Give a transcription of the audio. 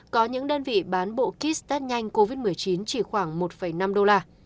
có những đơn vị bán bộ kit test nhanh covid một mươi chín chỉ khoảng một năm đô la